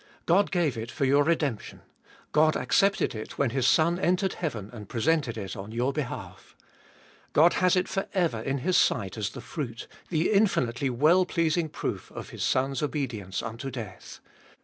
God .gave it for your redemp tion. God accepted it when His Son entered heaven and presented it on your behalf. God has it for ever in His sight as the fruit, the infinitely well pleasing proof, of His Son's obedience unto death.